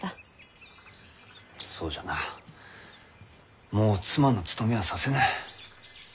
そうじゃなもう妻のつとめはさせぬ。